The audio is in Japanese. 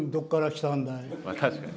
確かに。